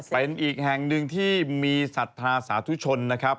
เป็นอีกแห่งหนึ่งที่มีศรัทธาสาธุชนนะครับ